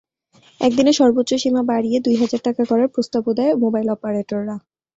একদিনে সর্বোচ্চ সীমা বাড়িয়ে দুই হাজার টাকা করার প্রস্তাবও দেয় মোবাইল অপারেটররা।